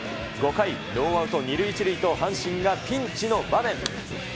５回ノーアウト２塁１塁と阪神がピンチの場面。